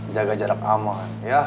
jaga jarak aman ya